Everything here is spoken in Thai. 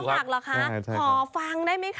น้ำตาตกโคให้มีโชคเมียรสิเราเคยคบกันเหอะน้ำตาตกโคให้มีโชค